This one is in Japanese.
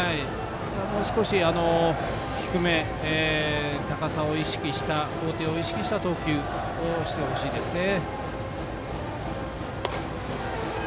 もう少し低め、高さを意識した高低を意識した投球をしてほしいですね。